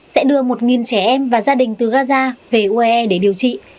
sẽ đưa một trẻ em và gia đình từ gaza về ue để điều trị